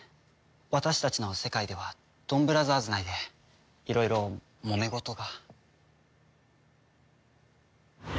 私たちの世界ではドンブラザーズ内でいろいろもめ事が。